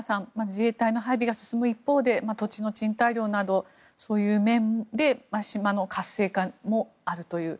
自衛隊の配備が進む一方で土地の賃貸料などそういう面で島の活性化もあるという。